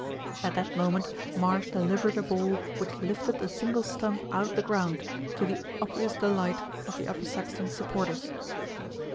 At that moment, Marsh delivered a ball which lifted the single stump out of the ground, to the obvious de light of the Upper Saxton supporters.